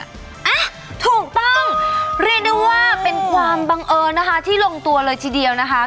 อ่ะถูกต้องเรียกได้ว่าเป็นความบังเอิญนะคะที่ลงตัวเลยทีเดียวนะคะ